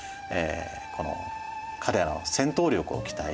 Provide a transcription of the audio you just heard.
この彼らの戦闘力を期待してですね